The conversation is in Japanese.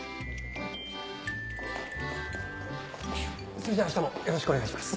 それじゃあしたもよろしくお願いします。